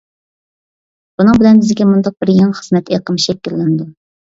بۇنىڭ بىلەن بىزگە مۇنداق بىر يېڭى خىزمەت ئېقىمى شەكىللىنىدۇ.